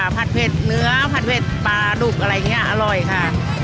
ผัดเผ็ดเนื้อผัดเผ็ดปลาดุกอะไรอย่างนี้อร่อยค่ะ